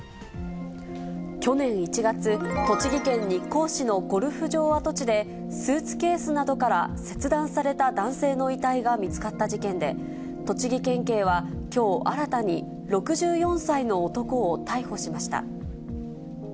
去年１月、栃木県日光市のゴルフ場跡地で、スーツケースなどから切断された男性の遺体が見つかった事件で、栃木県警はきょう、新たに６４歳の男を逮捕しました。